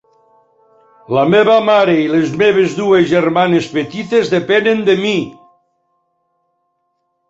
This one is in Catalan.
La meva mare i les meves dues germanes petites depenen de mi.